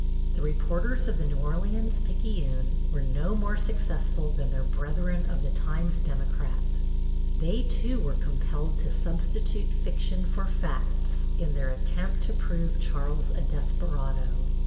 The reporters of the New Orleans Picayune were no more successful than their brethren of the Times Democrat. They, too, were compelled to substitute fiction for facts in their attempt to prove Charles a desperado.